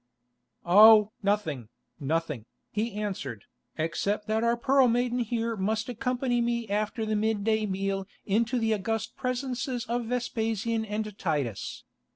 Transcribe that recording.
"Oh! nothing, nothing," he answered, "except that our Pearl Maiden here must accompany me after the mid day meal into the august presences of Vespasian and Titus.